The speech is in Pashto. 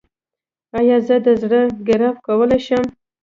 ایا زه د زړه ګراف کولی شم؟